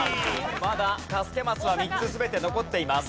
まだ助けマスは３つ全て残っています。